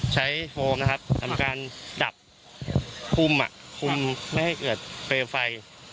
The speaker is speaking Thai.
ใช้โฟมนะฮะทำการดับคุมคุมไม่ให้เกิดฟิวไฟ